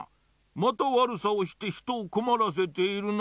またわるさをしてひとをこまらせているな。